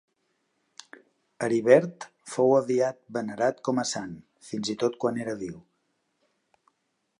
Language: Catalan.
Heribert fou aviat venerat com a sant, fins i tot quan era viu.